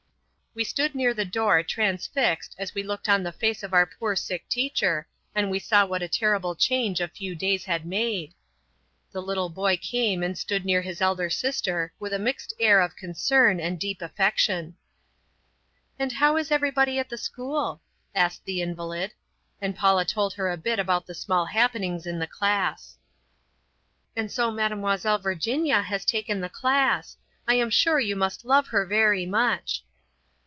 We stood near the door transfixed as we looked on the face of our poor sick teacher and we saw what a terrible change a few days had made. The little boy came and stood near his elder sister with a mixed air of concern and deep affection. "And how is everybody at the school?" asked the invalid. And Paula told her a bit about the small happenings in the class. "And so Mademoiselle Virginia has taken the class. I am sure you must love her very much."